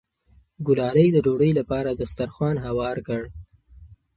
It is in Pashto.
ګلالۍ د ډوډۍ لپاره دسترخوان هوار کړ.